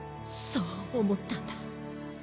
そうおもったんだ。